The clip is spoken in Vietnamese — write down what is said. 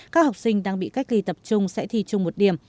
các học sinh đang bị cách ly tập trung sẽ thi chung một điểm